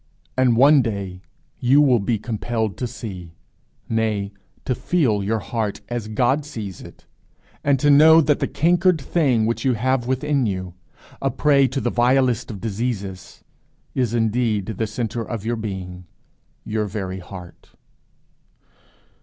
And one day you will be compelled to see, nay, to feel your heart as God sees it; and to know that the cankered thing which you have within you, a prey to the vilest of diseases, is indeed the centre of your being, your very heart.